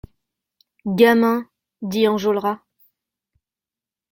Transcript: Gamin ! dit Enjolras.